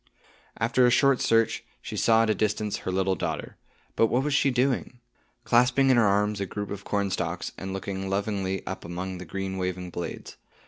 After a short search, she saw at a distance her little daughter. But what was she doing? Clasping in her arms a group of cornstalks, and looking lovingly up among the green waving blades.